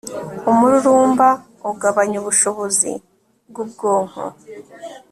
umururumba ugabanya ubushobozi bwubwonko